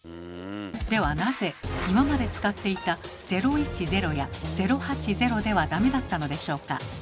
ではなぜ今まで使っていた「０１０」や「０８０」ではダメだったのでしょうか。